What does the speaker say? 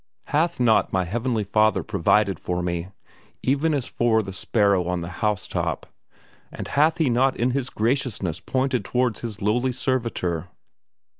Hath not my Heavenly Father provided for me, even as for the sparrow on the housetop, and hath He not in His graciousness pointed towards His lowly servitor?